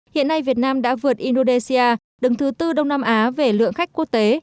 hiện nay việt nam đã vượt indonesia đứng thứ tư đông nam á về lượng khách quốc tế